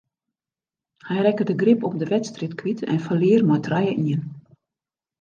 Hy rekke de grip op de wedstryd kwyt en ferlear mei trije ien.